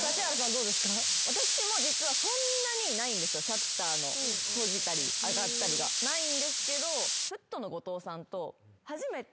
シャッターの閉じたり上がったりがないんですけどフットの後藤さんと。